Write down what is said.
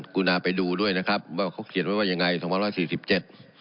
คุณาไปดูด้วยนะครับว่าเขาเขียนไว้ว่ายังไงสองพันร้อยสี่สิบเจ็ด